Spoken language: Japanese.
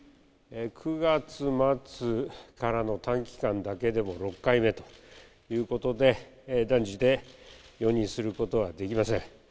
９月末からの短期間だけでも６回目ということで、断じて容認することはできません。